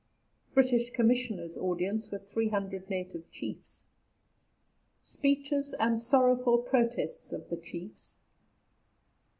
BRITISH COMMISSIONERS' AUDIENCE WITH 300 NATIVE CHIEFS. SPEECHES AND SORROWFUL PROTESTS OF THE CHIEFS.